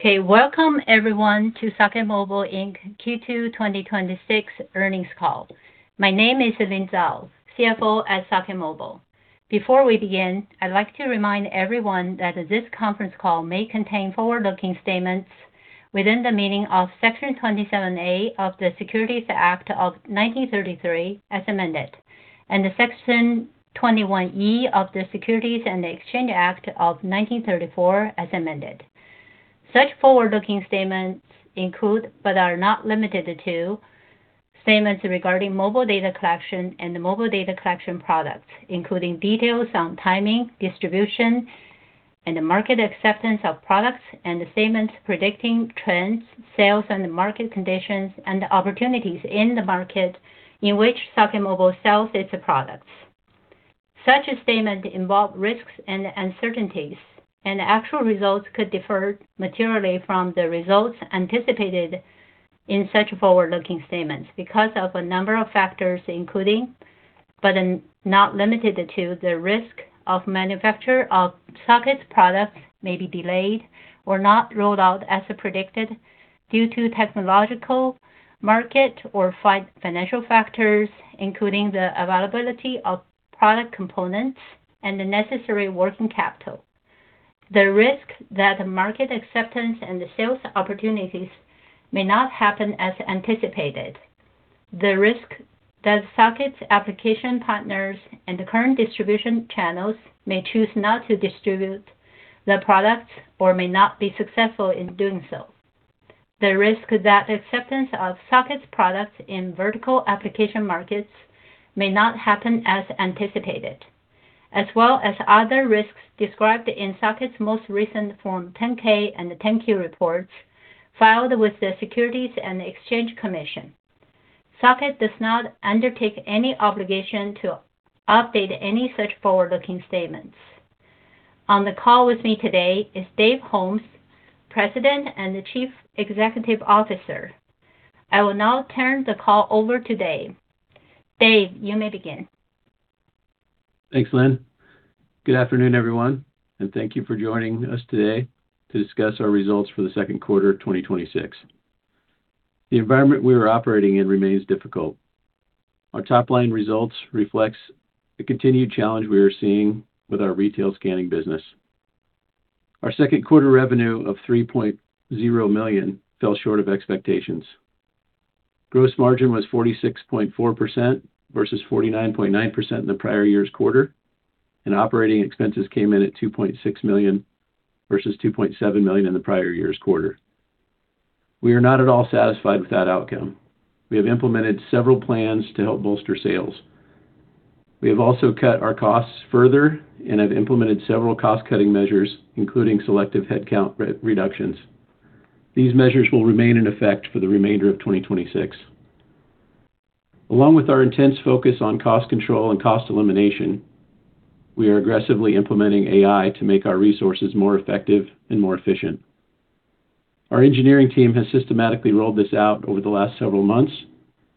Okay. Welcome everyone to Socket Mobile, Inc. Q2 2026 earnings call. My name is Lynn Zhao, CFO at Socket Mobile. Before we begin, I'd like to remind everyone that this conference call may contain forward-looking statements within the meaning of Section 27A of the Securities Act of 1933, as amended, and the Section 21E of the Securities Exchange Act of 1934, as amended. Such forward-looking statements include but are not limited to statements regarding mobile data collection and mobile data collection products, including details on timing, distribution, and the market acceptance of products, and the statements predicting trends, sales, and the market conditions and opportunities in the market in which Socket Mobile sells its products. Such a statement involve risks and uncertainties, and actual results could differ materially from the results anticipated in such forward-looking statements because of a number of factors, including but not limited to, the risk of manufacture of Socket's products may be delayed or not rolled out as predicted due to technological, market, or financial factors, including the availability of product components and the necessary working capital. The risk that market acceptance and the sales opportunities may not happen as anticipated, the risk that Socket's application partners and the current distribution channels may choose not to distribute the products or may not be successful in doing so. The risk that acceptance of Socket's products in vertical application markets may not happen as anticipated, as well as other risks described in Socket's most recent Form 10-K and the 10-Q reports filed with the Securities and Exchange Commission. Socket does not undertake any obligation to update any such forward-looking statements. On the call with me today is Dave Holmes, President and Chief Executive Officer. I will now turn the call over to Dave. Dave, you may begin. Thanks, Lynn. Good afternoon, everyone, and thank you for joining us today to discuss our results for the second quarter of 2026. The environment we are operating in remains difficult. Our top-line results reflects the continued challenge we are seeing with our retail scanning business. Our second quarter revenue of $3.0 million fell short of expectations. Gross margin was 46.4% versus 49.9% in the prior year's quarter, and operating expenses came in at $2.6 million, versus $2.7 million in the prior year's quarter. We are not at all satisfied with that outcome. We have implemented several plans to help bolster sales. We have also cut our costs further and have implemented several cost-cutting measures, including selective headcount reductions. These measures will remain in effect for the remainder of 2026. Along with our intense focus on cost control and cost elimination, we are aggressively implementing AI to make our resources more effective and more efficient. Our engineering team has systematically rolled this out over the last several months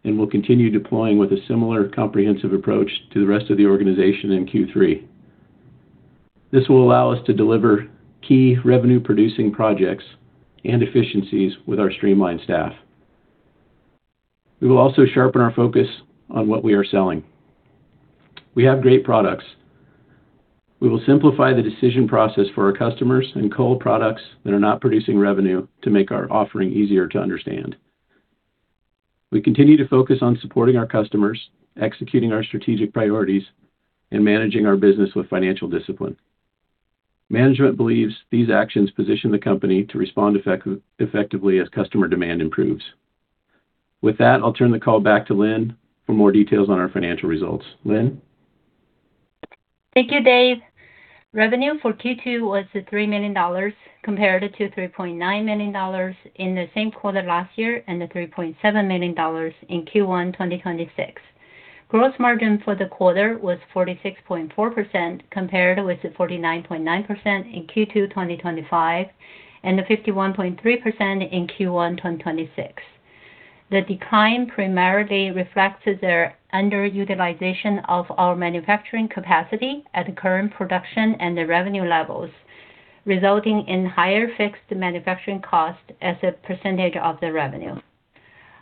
and will continue deploying with a similar comprehensive approach to the rest of the organization in Q3. This will allow us to deliver key revenue-producing projects and efficiencies with our streamlined staff. We will also sharpen our focus on what we are selling. We have great products. We will simplify the decision process for our customers and cull products that are not producing revenue to make our offering easier to understand. We continue to focus on supporting our customers, executing our strategic priorities, and managing our business with financial discipline. Management believes these actions position the company to respond effectively as customer demand improves. With that, I'll turn the call back to Lynn for more details on our financial results. Lynn? Thank you, Dave. Revenue for Q2 was at $3 million, compared to $3.9 million in the same quarter last year and the $3.7 million in Q1 2026. Gross margin for the quarter was 46.4%, compared with the 49.9% in Q2 2025 and the 51.3% in Q1 2026. The decline primarily reflects the underutilization of our manufacturing capacity at current production and the revenue levels, resulting in higher fixed manufacturing cost as a percentage of the revenue.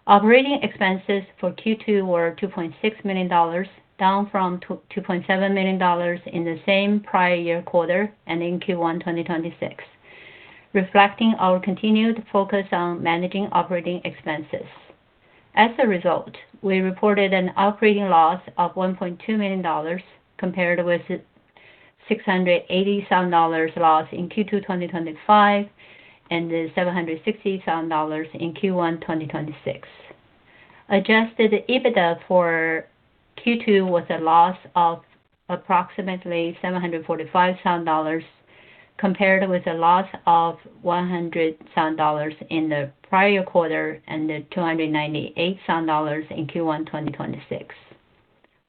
Operating expenses for Q2 were $2.6 million, down from $2.7 million in the same prior year quarter and in Q1 2026, reflecting our continued focus on managing operating expenses. As a result, we reported an operating loss of $1.2 million, compared with $687,000 loss in Q2 2025 and the $767,000 in Q1 2026. Adjusted EBITDA for Q2 was a loss of approximately $745,000, compared with a loss of $100,000 in the prior quarter and the $298,000 in Q1 2026.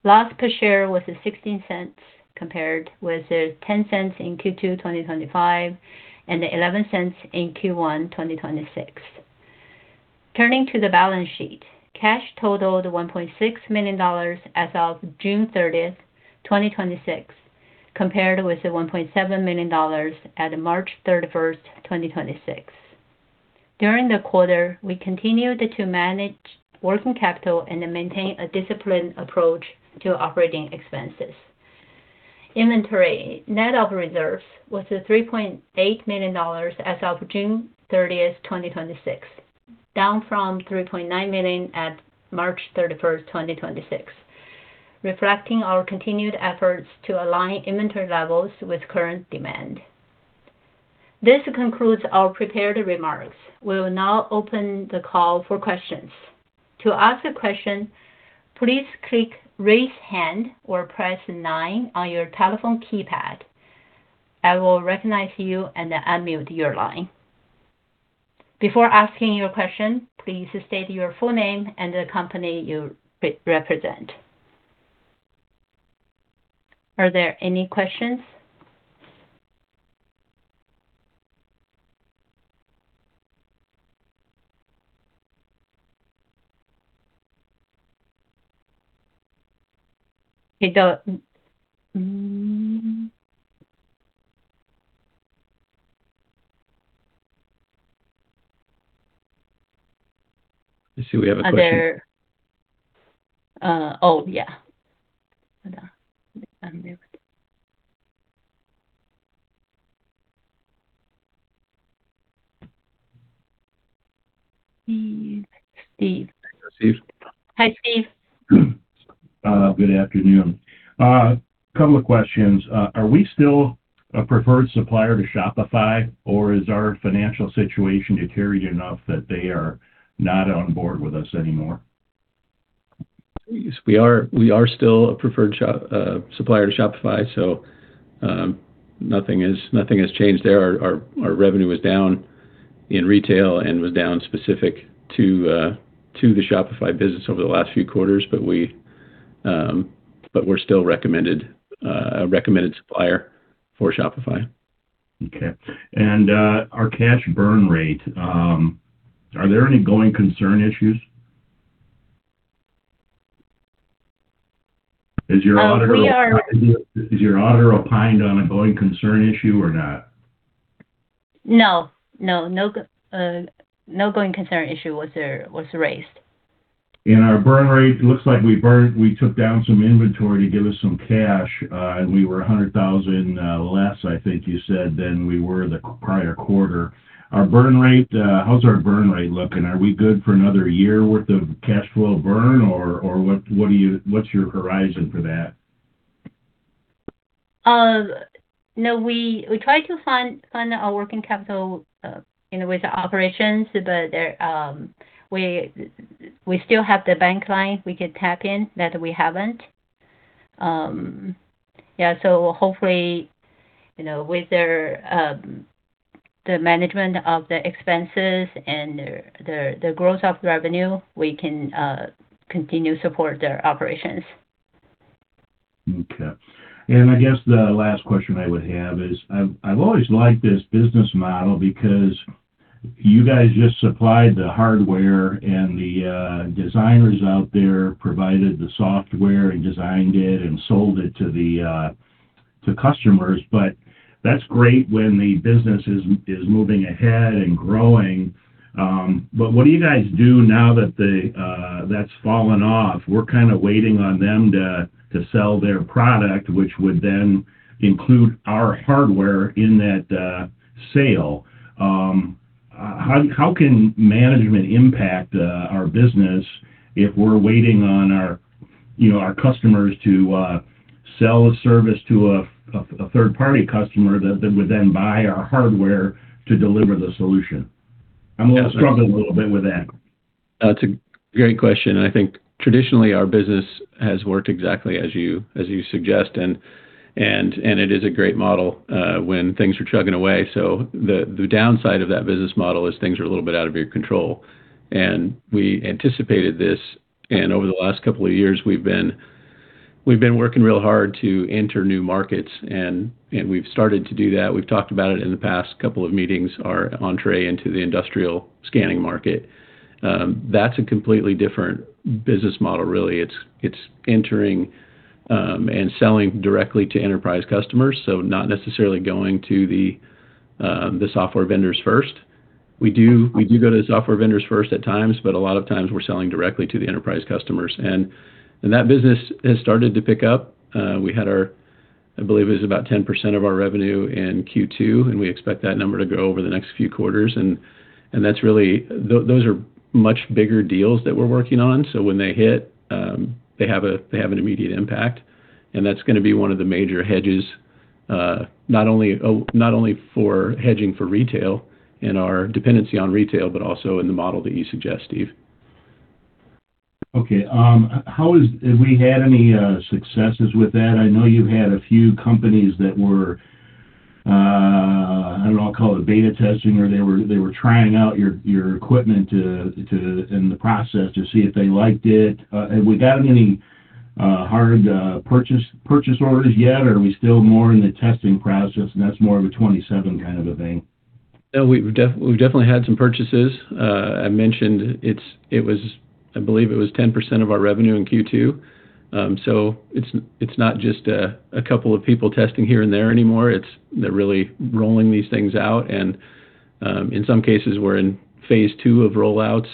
Loss per share was at $0.16, compared with the $0.10 in Q2 2025 and the $0.11 in Q1 2026. Turning to the balance sheet, cash totaled $1.6 million as of June 30th, 2026, compared with the $1.7 million at March 31st, 2026. During the quarter, we continued to manage working capital and to maintain a disciplined approach to operating expenses. Inventory, net of reserves, was at $3.8 million as of June 30th, 2026, down from $3.9 million at March 31st, 2026, reflecting our continued efforts to align inventory levels with current demand. This concludes our prepared remarks. We will now open the call for questions. To ask a question, please click raise hand or press nine on your telephone keypad. I will recognize you and unmute your line. Before asking your question, please state your full name and the company you represent. Are there any questions? I see we have a question. Are there Oh, yeah. Hold on. Let me unmute. Steve. Steve. Hi, Steve. Good afternoon. Couple of questions. Are we still a preferred supplier to Shopify, or is our financial situation deteriorated enough that they are not on board with us anymore? Yes, we are still a preferred supplier to Shopify. Nothing has changed there. Our revenue is down in retail and was down specific to the Shopify business over the last few quarters. We're still a recommended supplier for Shopify. Okay. Our cash burn rate, are there any going concern issues? Has your auditor. We are. Has your auditor opined on a going concern issue or not? No. No going concern issue was raised. Our burn rate, looks like we took down some inventory to give us some cash, and we were $100,000 less, I think you said, than we were the prior quarter. Our burn rate, how's our burn rate looking? Are we good for another year worth of cash flow burn, or what's your horizon for that? No, we try to fund our working capital with the operations, but we still have the bank line we could tap in that we haven't. Yeah, hopefully, with the management of the expenses and the growth of revenue, we can continue to support the operations. Okay. I guess the last question I would have is, I've always liked this business model because you guys just supplied the hardware, and the designers out there provided the software and designed it and sold it to customers. That's great when the business is moving ahead and growing, but what do you guys do now that's fallen off? We're kind of waiting on them to sell their product, which would then include our hardware in that sale. How can management impact our business if we're waiting on our customers to sell a service to a third-party customer that would then buy our hardware to deliver the solution? I'm struggling a little bit with that. That's a great question, and I think traditionally, our business has worked exactly as you suggest, and it is a great model when things are chugging away. The downside of that business model is things are a little bit out of your control, and we anticipated this, and over the last couple of years, we've been working real hard to enter new markets, and we've started to do that. We've talked about it in the past couple of meetings, our entree into the industrial scanning market. That's a completely different business model, really. It's entering and selling directly to enterprise customers, so not necessarily going to the software vendors first. We do go to software vendors first at times, but a lot of times, we're selling directly to the enterprise customers, and that business has started to pick up. We had our, I believe it was about 10% of our revenue in Q2, and we expect that number to grow over the next few quarters. Those are much bigger deals that we're working on, so when they hit, they have an immediate impact, and that's going to be one of the major hedges, not only for hedging for retail and our dependency on retail, but also in the model that you suggest, Steve. Okay. Have we had any successes with that? I know you had a few companies that were, I don't know, I'll call it beta testing, or they were trying out your equipment in the process to see if they liked it. Have we gotten any Hard purchase orders yet, or are we still more in the testing process and that's more of a 2027 kind of a thing? No, we've definitely had some purchases. I mentioned it was, I believe it was 10% of our revenue in Q2. It's not just a couple of people testing here and there anymore. They're really rolling these things out and, in some cases, we're in phase two of roll-outs.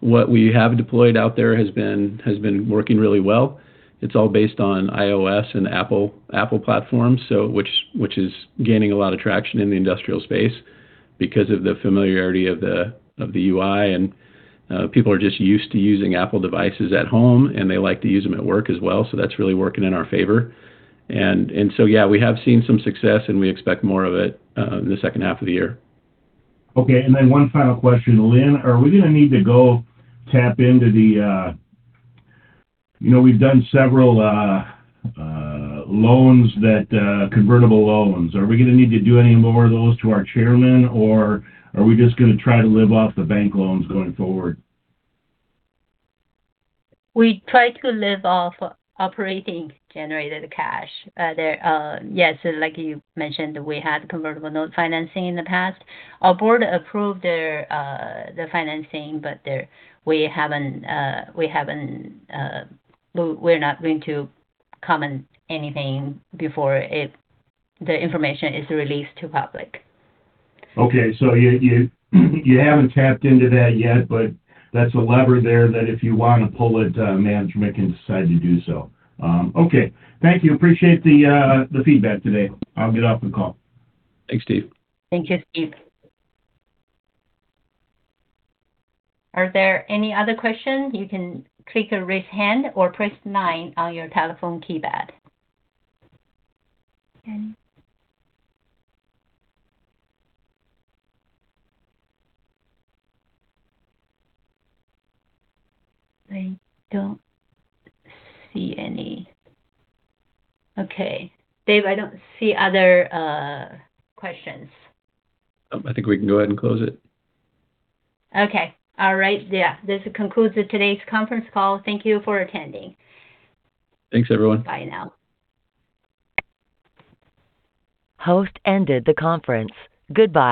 What we have deployed out there has been working really well. It's all based on iOS and Apple platforms, which is gaining a lot of traction in the industrial space because of the familiarity of the UI. People are just used to using Apple devices at home, and they like to use them at work as well, so that's really working in our favor. Yeah, we have seen some success, and we expect more of it in the second half of the year. Okay, one final question. Lynn, We've done several convertible loans. Are we going to need to do any more of those to our Chairman, or are we just going to try to live off the bank loans going forward? We try to live off operating-generated cash. Yes, like you mentioned, we had convertible note financing in the past. Our board approved the financing, we're not going to comment anything before the information is released to public. Okay. You haven't tapped into that yet, but that's a lever there that if you want to pull it, management can decide to do so. Okay. Thank you. Appreciate the feedback today. I'll get off the call. Thanks, Steve. Thank you, Steve. Are there any other questions? You can click or raise hand or press nine on your telephone keypad. I don't see any. Okay. Dave, I don't see other questions. I think we can go ahead and close it. Okay. All right. Yeah. This concludes today's conference call. Thank you for attending. Thanks, everyone. Bye now. Host ended the conference. Goodbye.